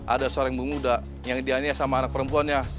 ada seorang ibu muda yang dianya sama anak perempuannya